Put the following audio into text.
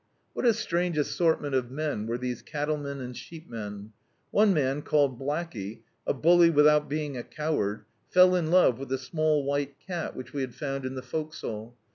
What a strange assortment of men were these cattlemen and sheepmen. One man, called Blacli^, a bully without being a coward, felt in love with a small white cat, which we had found in the fore castle.